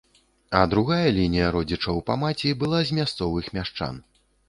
А другая лінія родзічаў па маці была з мясцовых мяшчан.